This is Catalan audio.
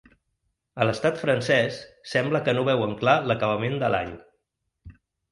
A l’estat francès sembla que no veuen clar l’acabament de l’any.